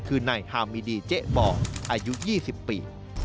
คือนายฮามิดีเจ๊บออายุ๒๐ปี